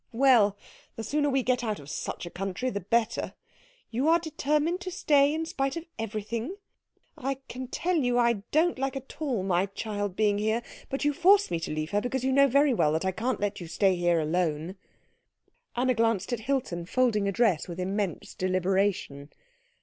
Well the sooner we get out of such a country the better. You are determined to stay in spite of everything? I can tell you I don't at all like my child being here, but you force me to leave her because you know very well that I can't let you stay here alone." Anna glanced at Hilton, folding a dress with immense deliberation.